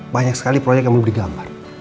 banyak sekali proyek yang perlu digambar